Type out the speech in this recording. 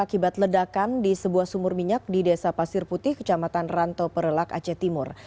akibat ledakan di sebuah sumur minyak di desa pasir putih kecamatan ranto perelak aceh timur